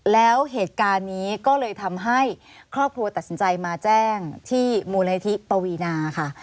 แล้วเหตุการณ์นี้ก็เลยทำให้ครอบครัวตัดสินใจมาแจ้งที่มูลนิธิปวีนาค่ะ